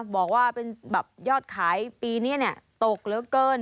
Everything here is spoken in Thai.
บอกว่ายอดขายปีนี้ตกเหลือเกิน